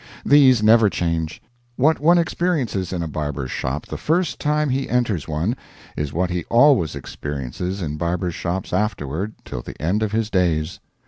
These never change. What one experiences in a barber's shop the first time he enters one is what he always experiences in barbers' shops afterward till the end of his days.